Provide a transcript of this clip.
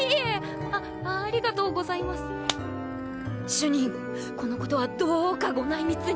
主任この事はどうかご内密に！